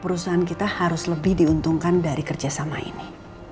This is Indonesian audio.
perusahaan kita harus lebih diuntungkan dari kerjasama ini